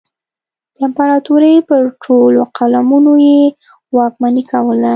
د امپراتورۍ پر ټولو قلمرونو یې واکمني کوله.